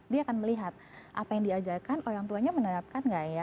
dia akan melihat apa yang diajarkan orang tuanya menerapkan gak ya